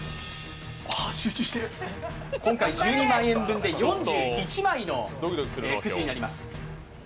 今回、１２万円分で４１枚のくじになります。